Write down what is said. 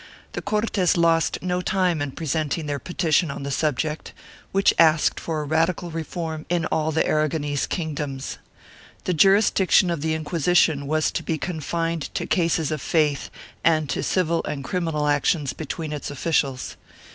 The Cortes lost no time in presenting their petition on the sub ject, which asked for radical reform in all the Aragonese kingdoms. The jurisdiction of the Inquisition was to be confined to cases of faith and to civil and criminal actions between its officials.